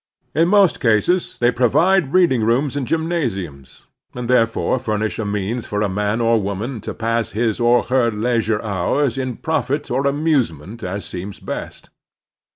In most cases they pro vide reading rooms and gymnasiimas, and there fore f timish a means for a man or woman to pass his or her leistu'e hours in profit or amusement as seems best.